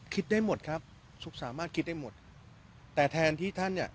คิดได้หมดครับชุกสามารถคิดได้หมดแต่แทนที่ท่านเนี่ย